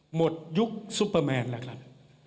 หมดยุคซุปเปอร์แมนแล้วครับ